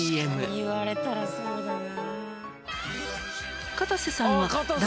確かに言われたらそうだな。